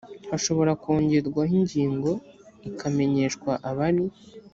hashobora kongerwaho ingingo ika menyeshwa abari